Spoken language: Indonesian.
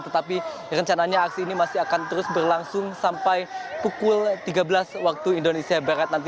tetapi rencananya aksi ini masih akan terus berlangsung sampai pukul tiga belas waktu indonesia barat nanti